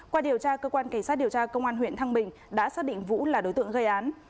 qua điều tra cơ quan cảnh sát điều tra công an huyện thăng bình đã xác định vũ là đối tượng gây án